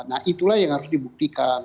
nah itulah yang harus dibuktikan